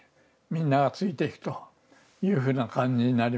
みんながついていくというふうな感じになりましたよね。